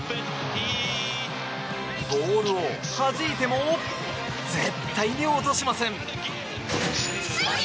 ボールをはじいても絶対に落としません。